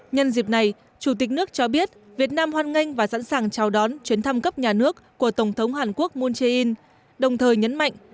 nhân dịp này chủ tịch nước cho biết việt nam hoan nghênh và sẵn sàng chào đón chuyến thăm cấp nhà nước